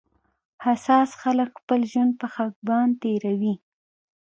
حساس خلک خپل ژوند په خپګان تېروي